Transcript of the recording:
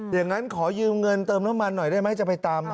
อย่างนั้นขอยืมเงินเติมน้ำมันหน่อยได้ไหมจะไปตาม